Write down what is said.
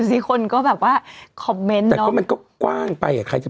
สิคนก็แบบว่าคอมเมนต์แต่ก็มันก็กว้างไปอ่ะใครจะ